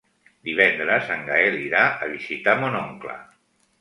Divendres en Gaël irà a visitar mon oncle.